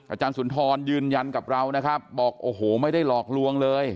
อาจารย์สุนทรยืนยันกับเราบอกไม่ได้หลอกลวงเลย